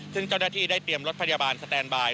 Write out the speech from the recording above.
ซึ่งเจ้าหน้าที่ได้เตรียมรถพยาบาลสแตนบาย